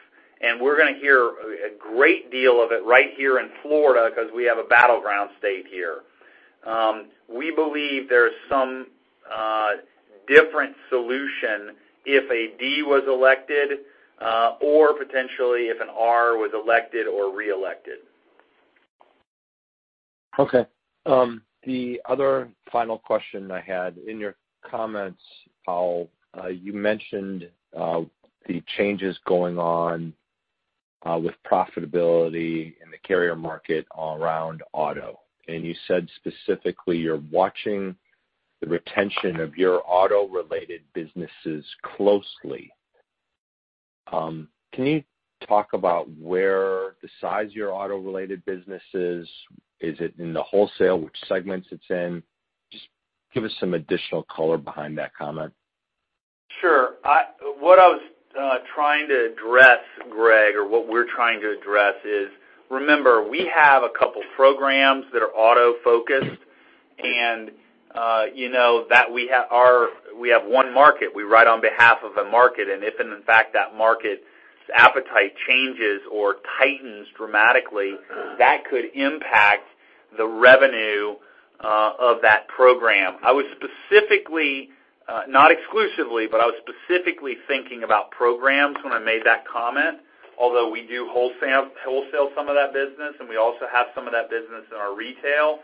we're going to hear a great deal of it right here in Florida because we have a battleground state here. We believe there's some different solution if a D was elected, or potentially if an R was elected or reelected. Okay. The other final question I had. In your comments, Powell, you mentioned the changes going on with profitability in the carrier market around auto. You said specifically you're watching the retention of your auto-related businesses closely. Can you talk about where the size of your auto-related business is? Is it in the wholesale? Which segments it's in? Just give us some additional color behind that comment. Sure. What I was trying to address, Greg, or what we're trying to address is, remember, we have a couple programs that are auto-focused and we have one market. We ride on behalf of a market, If in fact that market's appetite changes or tightens dramatically, that could impact the revenue of that program. I was specifically, not exclusively, but I was specifically thinking about programs when I made that comment. Although we do wholesale some of that business, We also have some of that business in our retail.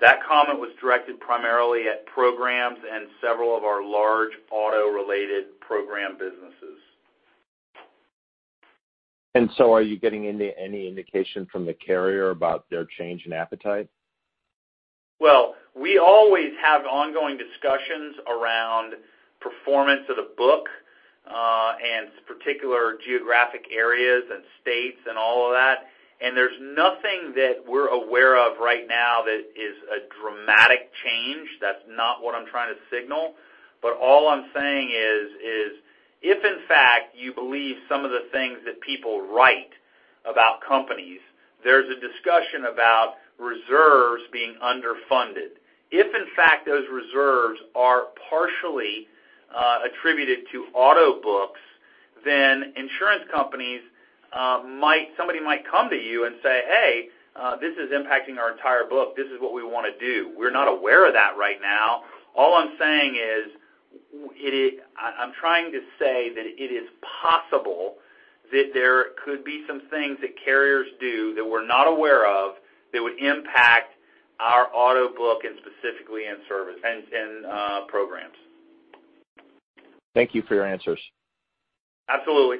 That comment was directed primarily at programs and several of our large auto-related program businesses. Are you getting any indication from the carrier about their change in appetite? We always have ongoing discussions around performance of the book, particular geographic areas and states and all of that. There's nothing that we're aware of right now that is a dramatic change. That's not what I'm trying to signal. All I'm saying is, if in fact you believe some of the things that people write about companies, there's a discussion about reserves being underfunded. If in fact those reserves are partially attributed to auto books, Insurance companies, somebody might come to you and say, "Hey, this is impacting our entire book. This is what we want to do." We're not aware of that right now. All I'm saying is, I'm trying to say that it is possible that there could be some things that carriers do that we're not aware of that would impact our auto book and specifically in service and in programs. Thank you for your answers. Absolutely.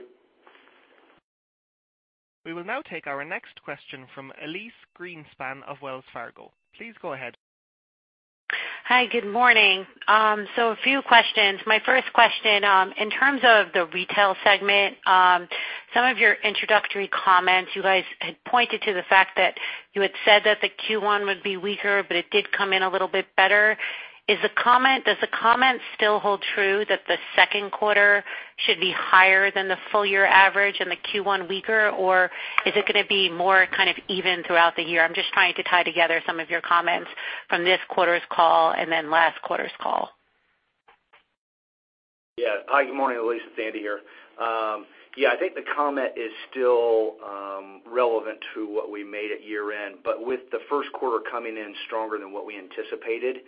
We will now take our next question from Elyse Greenspan of Wells Fargo. Please go ahead. Hi, good morning. A few questions. My first question, in terms of the retail segment, some of your introductory comments, you guys had pointed to the fact that you had said that the Q1 would be weaker, but it did come in a little bit better. Does the comment still hold true that the second quarter should be higher than the full-year average and the Q1 weaker? Or is it going to be more even throughout the year? I'm just trying to tie together some of your comments from this quarter's call and then last quarter's call. Hi, good morning, Elyse. It's Andy here. I think the comment is still relevant to what we made at year-end. With the first quarter coming in stronger than what we anticipated,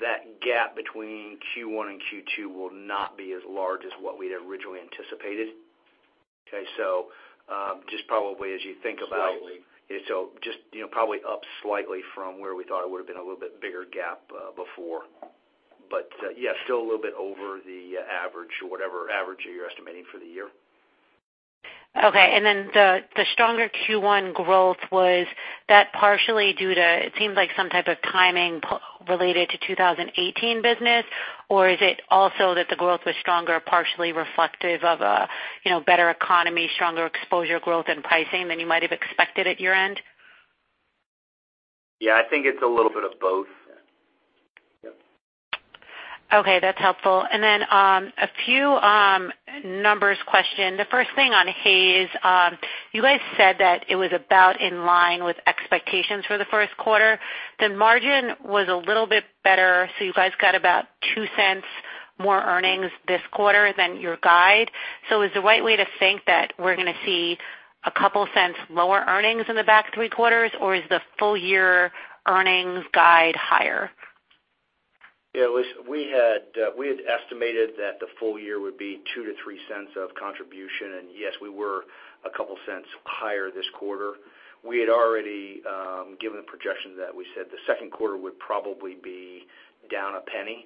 that gap between Q1 and Q2 will not be as large as what we'd originally anticipated. Slightly. just, probably up slightly from where we thought it would've been a little bit bigger gap before. Yeah, still a little bit over the average or whatever average you're estimating for the year. Okay, the stronger Q1 growth, was that partially due to, it seems like some type of timing related to 2018 business, or is it also that the growth was stronger, partially reflective of a better economy, stronger exposure growth and pricing than you might have expected at year-end? Yeah, I think it's a little bit of both. Yep. Okay, that's helpful. A few numbers question. The first thing on Hays, you guys said that it was about in line with expectations for the first quarter. The margin was a little bit better, you guys got about $0.02 more earnings this quarter than your guide. Is the right way to think that we're going to see a couple cents lower earnings in the back three quarters, or is the full year earnings guide higher? Elyse, we had estimated that the full year would be $0.02-$0.03 of contribution, and yes, we were a couple cents higher this quarter. We had already given a projection that we said the second quarter would probably be down $0.01.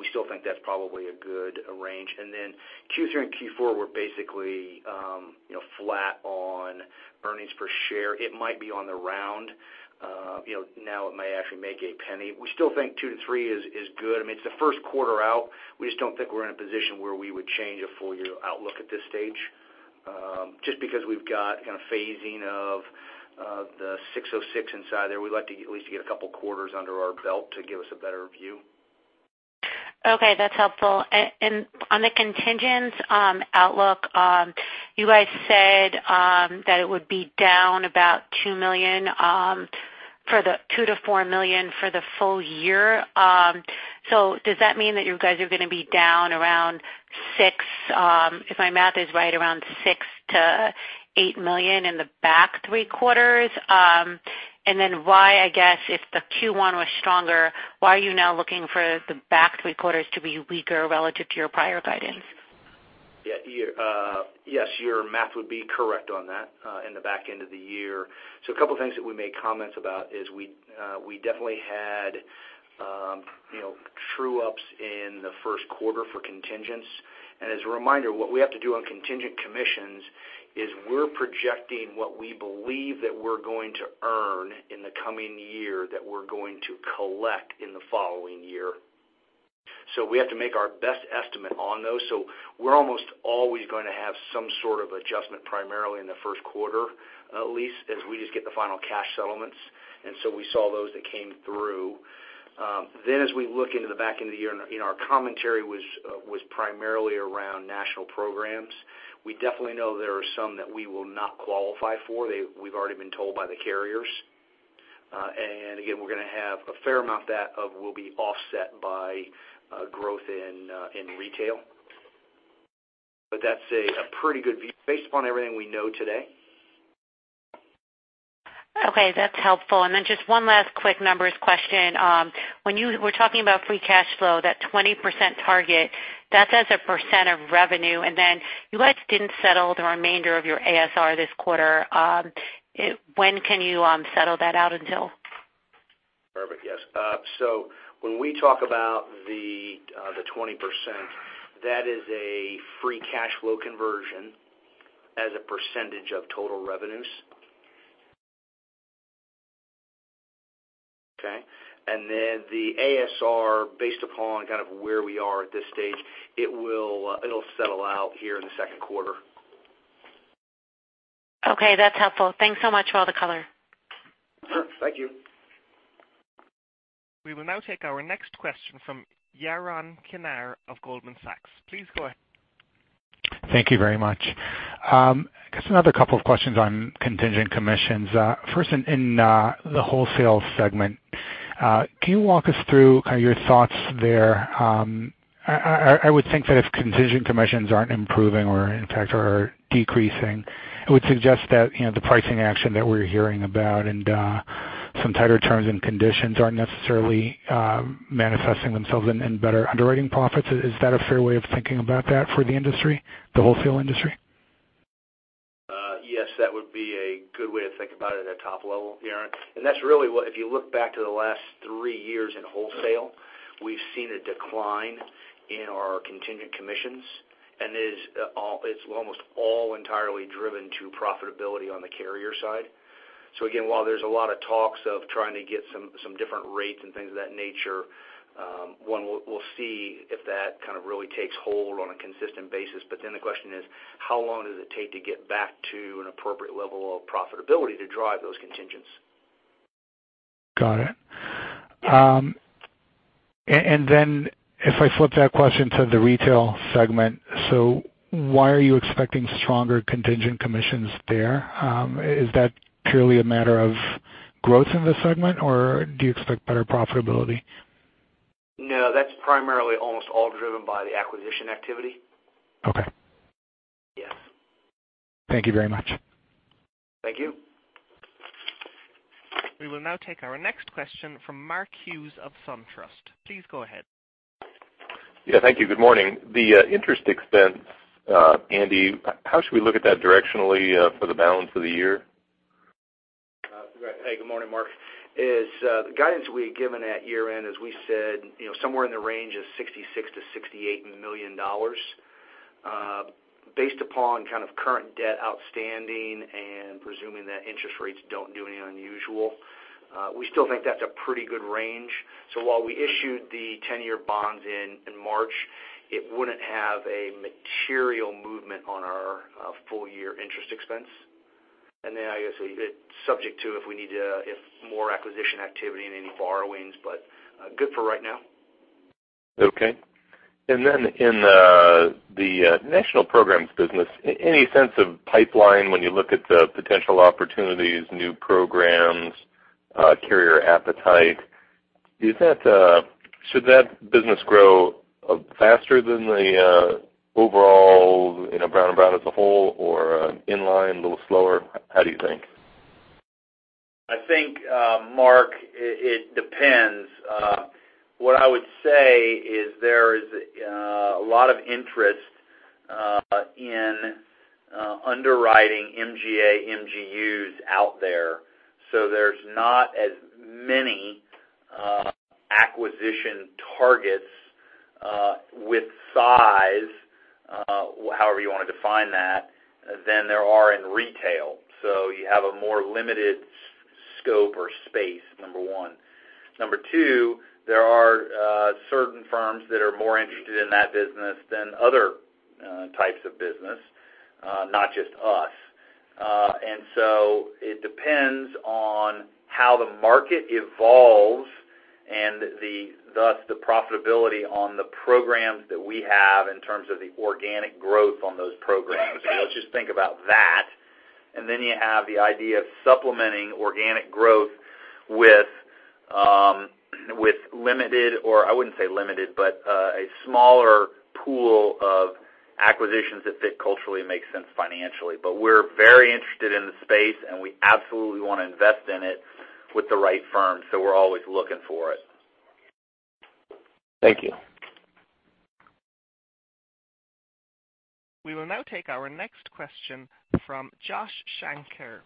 We still think that's probably a good range. Q3 and Q4 were basically flat on earnings per share. It might be on the round. Now it may actually make $0.01. We still think $0.02-$0.03 is good. It's the first quarter out. We just don't think we're in a position where we would change a full-year outlook at this stage. Just because we've got kind of phasing of the ASC 606 inside there. We'd like to at least get a couple quarters under our belt to give us a better view. Okay, that's helpful. On the contingents outlook, you guys said that it would be down about $2 million-$4 million for the full year. Does that mean that you guys are going to be down around $6 million, if my math is right, around $6 million-$8 million in the back three quarters? Why, I guess, if the Q1 was stronger, why are you now looking for the back three quarters to be weaker relative to your prior guidance? Your math would be correct on that, in the back end of the year. A couple things that we made comments about is we definitely had true-ups in the first quarter for contingents. As a reminder, what we have to do on contingent commissions is we're projecting what we believe that we're going to earn in the coming year that we're going to collect in the following year. We have to make our best estimate on those. We're almost always going to have some sort of adjustment primarily in the first quarter, Elyse, as we just get the final cash settlements, and so we saw those that came through. As we look into the back end of the year, our commentary was primarily around national programs. We definitely know there are some that we will not qualify for. We've already been told by the carriers. Again, we're going to have a fair amount that will be offset by growth in retail. That's a pretty good view based upon everything we know today. Okay, that's helpful. Just one last quick numbers question. When you were talking about free cash flow, that 20% target, that's as a percent of revenue, and then you guys didn't settle the remainder of your ASR this quarter. When can you settle that out until? Perfect. Yes. When we talk about the 20%, that is a free cash flow conversion as a percentage of total revenues. Okay? The ASR, based upon kind of where we are at this stage, it'll settle out here in the second quarter. Okay, that's helpful. Thanks so much for all the color. Sure. Thank you. We will now take our next question from Yaron Kinar of Goldman Sachs. Please go ahead. Thank you very much. Just another couple of questions on contingent commissions. First in the wholesale segment. Can you walk us through kind of your thoughts there? I would think that if contingent commissions aren't improving or in fact are decreasing, it would suggest that the pricing action that we're hearing about and some tighter terms and conditions aren't necessarily manifesting themselves in better underwriting profits. Is that a fair way of thinking about that for the industry, the wholesale industry? Yes, that would be a good way to think about it at a top level, Yaron. That's really what, if you look back to the last three years in wholesale, we've seen a decline in our contingent commissions, and it's almost all entirely driven to profitability on the carrier side. Again, while there's a lot of talks of trying to get some different rates and things of that nature, one, we'll see if that kind of really takes hold on a consistent basis. The question is, how long does it take to get back to an appropriate level of profitability to drive those contingents? Got it. If I flip that question to the retail segment, so why are you expecting stronger contingent commissions there? Is that purely a matter of growth in the segment, or do you expect better profitability? That's primarily almost all driven by the acquisition activity. Okay. Yes. Thank you very much. Thank you. We will now take our next question from Mark Hughes of SunTrust. Please go ahead. Yeah, thank you. Good morning. The interest expense, Andy, how should we look at that directionally for the balance of the year? Hey, good morning, Mark. The guidance we had given at year-end is, we said somewhere in the range of $66 million-$68 million. Based upon kind of current debt outstanding and presuming that interest rates don't do anything unusual, we still think that's a pretty good range. While we issued the 10-year bonds in March, it wouldn't have a material movement on our full-year interest expense. Obviously, it's subject to if we need to, if more acquisition activity and any borrowings, but good for right now. Okay. In the national programs business, any sense of pipeline when you look at the potential opportunities, new programs, carrier appetite? Should that business grow faster than the overall Brown & Brown as a whole or inline, a little slower? How do you think? I think, Mark, it depends. What I would say is there is a lot of interest in underwriting MGA, MGUs out there. There's not as many acquisition targets with size, however you want to define that, than there are in retail. You have a more limited scope or space, number one. Number two, there are certain firms that are more interested in that business than other types of business, not just us. It depends on how the market evolves and thus, the profitability on the programs that we have in terms of the organic growth on those programs. Let's just think about that, and then you have the idea of supplementing organic growth with limited, or I wouldn't say limited, but a smaller pool of acquisitions that fit culturally and make sense financially. We're very interested in the space, and we absolutely want to invest in it with the right firms, so we're always looking for it. Thank you. We will now take our next question from Joshua Shanker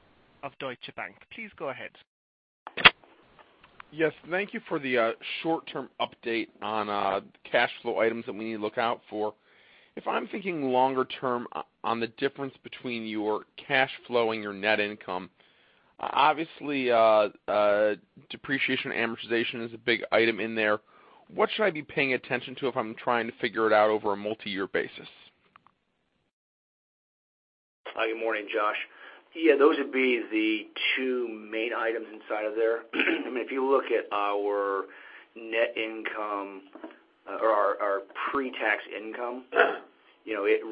of Deutsche Bank. Please go ahead. Yes. Thank you for the short-term update on cash flow items that we need to look out for. If I'm thinking longer term on the difference between your cash flow and your net income, obviously, depreciation amortization is a big item in there. What should I be paying attention to if I'm trying to figure it out over a multi-year basis? Good morning, Josh. Those would be the two main items inside of there. If you look at our net income or our pre-tax income, it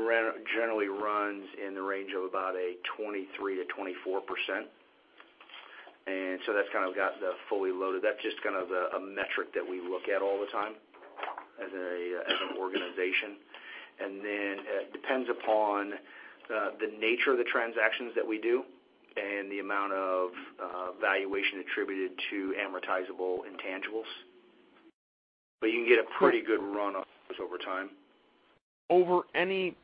generally runs in the range of about a 23%-24%. That's kind of got the fully loaded. That's just kind of a metric that we look at all the time as an organization. It depends upon the nature of the transactions that we do and the amount of valuation attributed to amortizable intangibles. You can get a pretty good run off this over time. Over any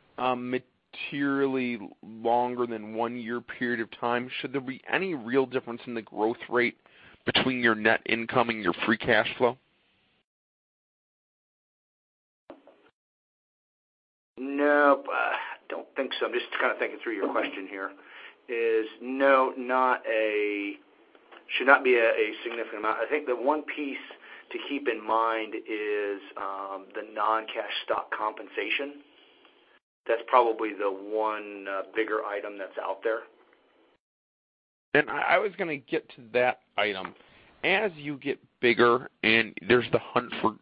materially longer than one year period of time, should there be any real difference in the growth rate between your net income and your free cash flow? No, I don't think so. I'm just kind of thinking through your question here. No, should not be a significant amount. I think the one piece to keep in mind is the non-cash stock compensation. That's probably the one bigger item that's out there. I was going to get to that item. As you get bigger and there's the hunt for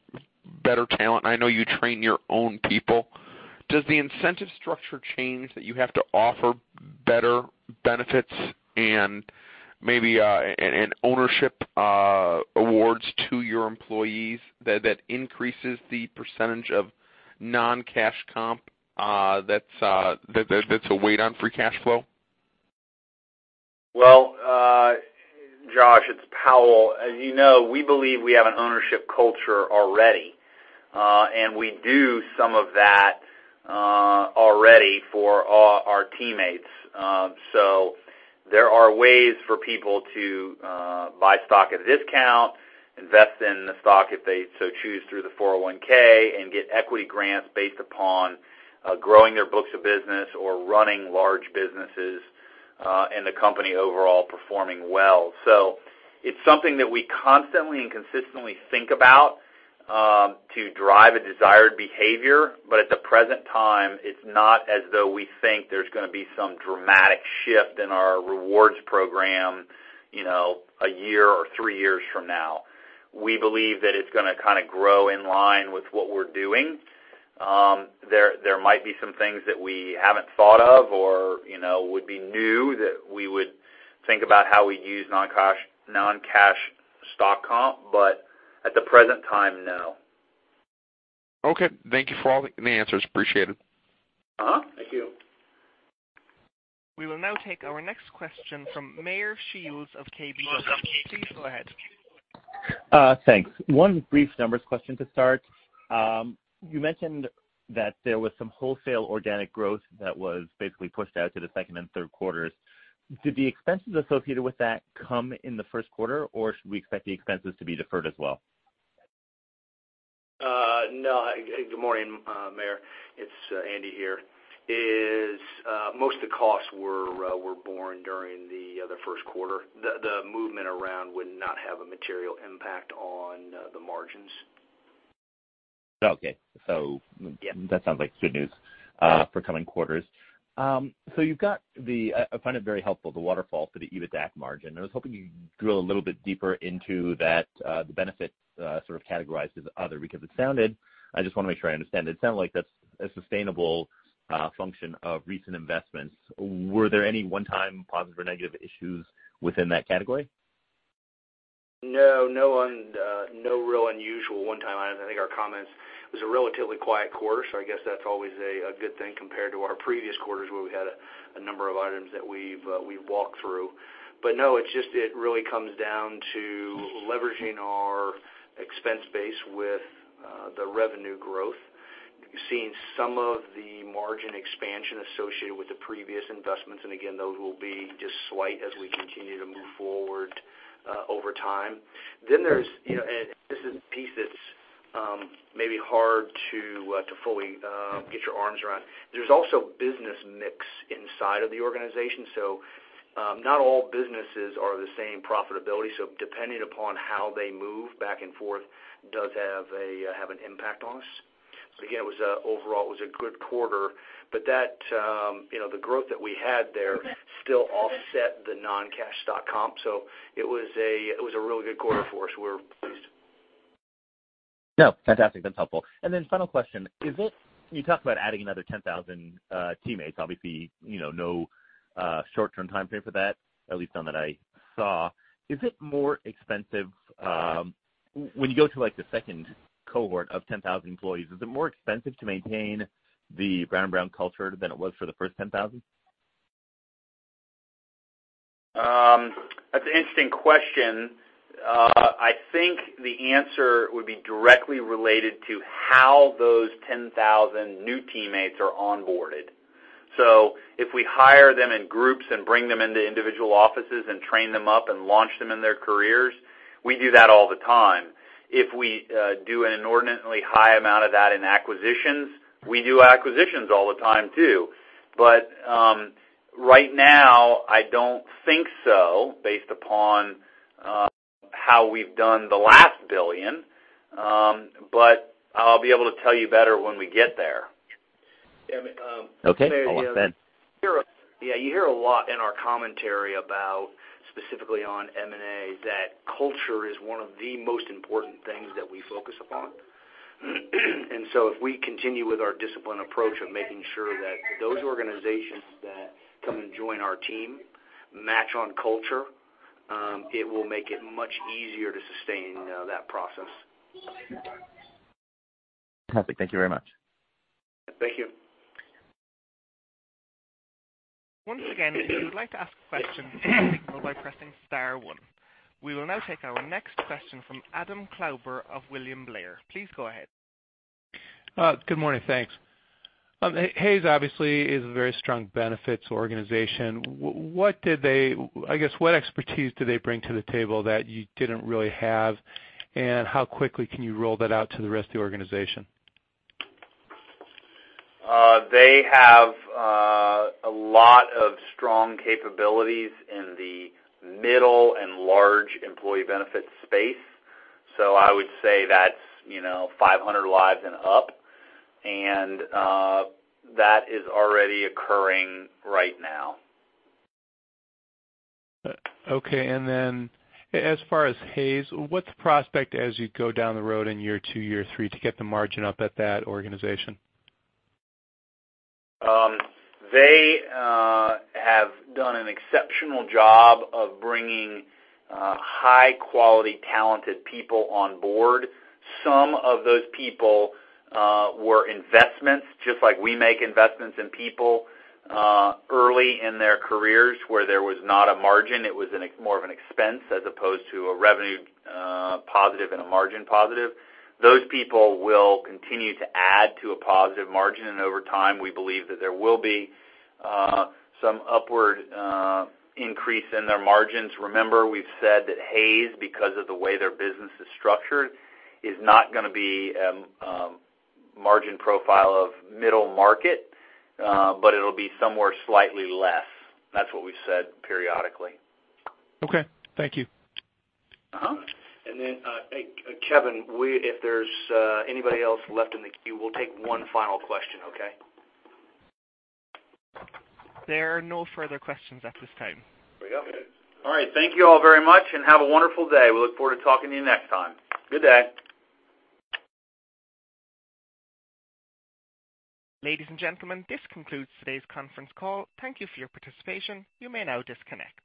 better talent, I know you train your own people. Does the incentive structure change that you have to offer better benefits and maybe, ownership awards to your employees that increases the % of non-cash comp that's a weight on free cash flow? Well, Josh, it's Powell. As you know, we believe we have an ownership culture already. We do some of that already for our teammates. There are ways for people to buy stock at a discount. Invest in the stock if they so choose through the 401 and get equity grants based upon growing their books of business or running large businesses and the company overall performing well. It's something that we constantly and consistently think about to drive a desired behavior. At the present time, it's not as though we think there's going to be some dramatic shift in our rewards program a year or three years from now. We believe that it's going to kind of grow in line with what we're doing. There might be some things that we haven't thought of or would be new that we would think about how we use non-cash stock comp, but at the present time, no. Okay. Thank you for all the answers. Appreciate it. Thank you. We will now take our next question from Meyer Shields of KBW. Please go ahead. Thanks. One brief numbers question to start. You mentioned that there was some wholesale organic growth that was basically pushed out to the second and third quarters. Did the expenses associated with that come in the first quarter, or should we expect the expenses to be deferred as well? No. Good morning, Meyer. It's Andy here. Most of the costs were borne during the first quarter. The movement around would not have a material impact on the margins. Okay. That sounds like good news for coming quarters. I find it very helpful, the waterfall for the EBITDA margin. I was hoping you could drill a little bit deeper into that, the benefit sort of categorized as other, because it sounded, I just want to make sure I understand it sounded like that's a sustainable function of recent investments. Were there any one-time positive or negative issues within that category? No. No real unusual one-time items. I think our comments, it was a relatively quiet quarter, so I guess that's always a good thing compared to our previous quarters where we had a number of items that we've walked through. No, it really comes down to leveraging our expense base with the revenue growth. You've seen some of the margin expansion associated with the previous investments, and again, those will be just slight as we continue to move forward over time. There's a piece that's maybe hard to fully get your arms around. There's also business mix inside of the organization. Not all businesses are the same profitability, so depending upon how they move back and forth does have an impact on us. Again, overall it was a good quarter, but the growth that we had there still offset the non-cash stock comp. It was a really good quarter for us. We're pleased. No, fantastic. That's helpful. Final question. You talked about adding another 10,000 teammates, obviously, no short-term timeframe for that, at least none that I saw. When you go to the second cohort of 10,000 employees, is it more expensive to maintain the Brown & Brown culture than it was for the first 10,000? That's an interesting question. I think the answer would be directly related to how those 10,000 new teammates are onboarded. If we hire them in groups and bring them into individual offices and train them up and launch them in their careers, we do that all the time. If we do an inordinately high amount of that in acquisitions, we do acquisitions all the time too. Right now, I don't think so, based upon how we've done the last billion. I'll be able to tell you better when we get there. Okay. I'll look then. Yeah, you hear a lot in our commentary about specifically on M&A, that culture is one of the most important things that we focus upon. If we continue with our disciplined approach of making sure that those organizations that come and join our team match on culture, it will make it much easier to sustain that process over time. Perfect. Thank you very much. Thank you. Once again, if you would like to ask a question, signal by pressing star one. We will now take our next question from Adam Klauber of William Blair. Please go ahead. Good morning. Thanks. Hays obviously is a very strong benefits organization. I guess, what expertise do they bring to the table that you didn't really have, and how quickly can you roll that out to the rest of the organization? They have a lot of strong capabilities in the middle and large employee benefits space. I would say that's 500 lives and up. That is already occurring right now. Okay. As far as Hays, what's the prospect as you go down the road in year two, year three to get the margin up at that organization? They have done an exceptional job of bringing high-quality, talented people on board. Some of those people were investments, just like we make investments in people early in their careers where there was not a margin, it was more of an expense as opposed to a revenue positive and a margin positive. Those people will continue to add to a positive margin, and over time, we believe that there will be some upward increase in their margins. Remember, we've said that Hays, because of the way their business is structured, is not going to be a margin profile of middle market, but it'll be somewhere slightly less. That's what we've said periodically. Okay. Thank you. Kevin, if there's anybody else left in the queue, we'll take one final question, okay? There are no further questions at this time. There we go. All right. Thank you all very much and have a wonderful day. We look forward to talking to you next time. Good day. Ladies and gentlemen, this concludes today's conference call. Thank you for your participation. You may now disconnect.